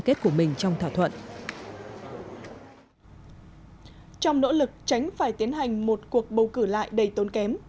kết của mình trong thỏa thuận trong nỗ lực tránh phải tiến hành một cuộc bầu cử lại đầy tốn kém